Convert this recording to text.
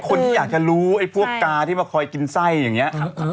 คนที่อยากจะรู้ไอ้พวกกาที่มาคอยกินไส้อย่างนี้